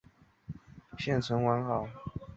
现存完好。